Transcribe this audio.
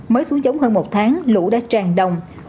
mới xuống giống hơn một tháng lũ đã tràn đồng